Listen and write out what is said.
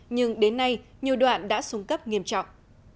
nhưng đến nay nhiều đoạn đã xuống cấp nghiêm trọng